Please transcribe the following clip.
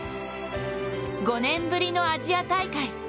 ５年ぶりのアジア大会。